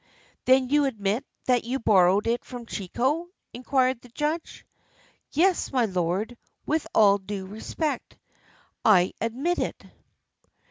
" Then you admit that you borrowed it from Chiko? " inquired the judge. "Yes, my lord, with all due respect, I admit it."